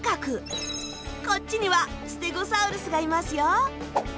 こっちにはステゴサウルスがいますよ。